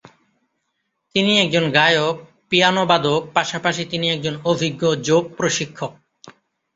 তিনি একজন গায়ক, পিয়ানোবাদক, পাশাপাশি তিনি একজন অভিজ্ঞ যোগ প্রশিক্ষক।